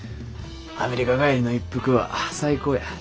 アメリカ帰りの一服は最高や。